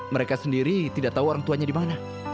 mereka sendiri tidak tahu orang tuanya dimana